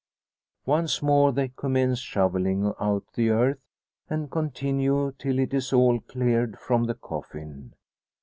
Once more they commence shovelling out the earth, and continue till it is all cleared from the coffin.